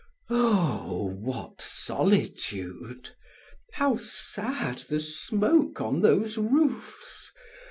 Oh! what solitude! How sad the smoke on those roofs!